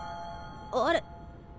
あれ？